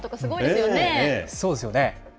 そうですよね。